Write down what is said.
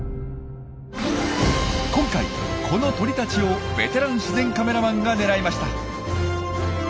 今回この鳥たちをベテラン自然カメラマンが狙いました。